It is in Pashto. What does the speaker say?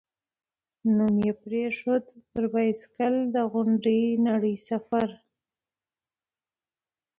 نوم یې پرېښود، «پر بایسکل د غونډې نړۍ سفر».